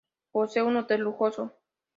Posee un hotel lujoso.